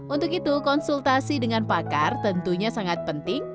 untuk itu konsultasi dengan pakar tentunya sangat penting